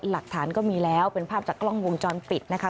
หลักฐานก็มีแล้วเป็นภาพจากกล้องวงจรปิดนะคะ